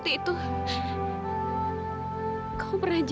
pitipthey buat halnya